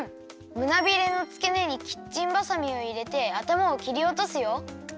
むなびれのつけねにキッチンバサミをいれてあたまをきりおとすよ。